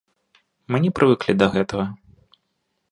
Мы не прывыклі да гэтага.